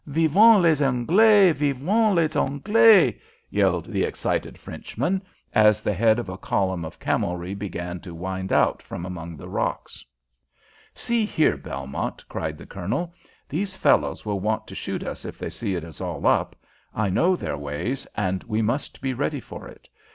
Vivent les Anglais! Vivent les Anglais!_" yelled the excited Frenchman, as the head of a column of camelry began to wind out from among the rocks. "See here, Belmont," cried the Colonel. "These fellows will want to shoot us if they see it is all up. I know their ways, and we must be ready for it.